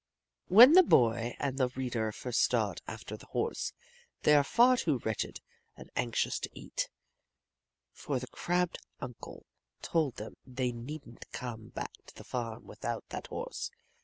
When the boy and the reader first start after the horse they are far too wretched and anxious to eat for the crabbed uncle told them they needn't come back to the farm without that horse.